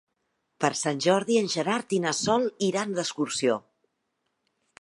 Per Sant Jordi en Gerard i na Sol iran d'excursió.